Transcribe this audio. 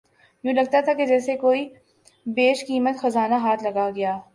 یوں لگتا تھا کہ جیسے کوئی بیش قیمت خزانہ ہاتھ لگا گیا